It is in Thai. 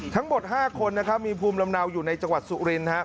ทั้งหมด๕คนนะครับมีภูมิลำเนาอยู่ในจังหวัดสุรินฮะ